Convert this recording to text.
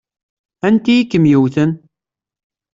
Anti i kem-yewwten?